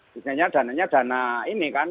biasanya dananya dana ini kan